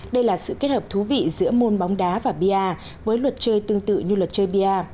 đây là sự kết hợp thú vị giữa môn bóng đá và bia với luật chơi tương tự như luật chơi biar